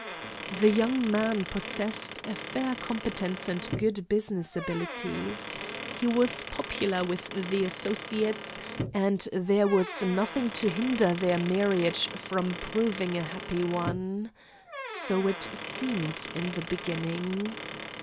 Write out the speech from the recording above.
The young man possessed a fair competence and good business abilities. He was popular with his associates, and there was nothing to hinder their marriage from proving a happy one. So it seemed in the beginning.